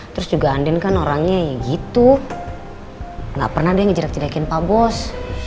terus juga andin kan orangnya ya gitu enggak pernah dia ngejirak jirakin pak bos